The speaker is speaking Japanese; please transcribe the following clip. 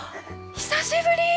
久しぶり。